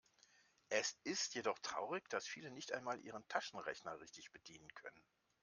Es ist jedoch traurig, dass viele nicht einmal ihren Taschenrechner richtig bedienen können.